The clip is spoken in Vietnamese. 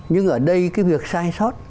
nhưng ở đây cái việc sai sót